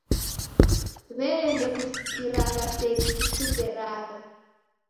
W'elee, ndekusikiragha seji w'ikuzeragha?